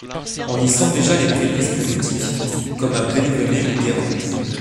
On y sent déjà les prémisses du gothique, comme à Brélévenez ou Guérande.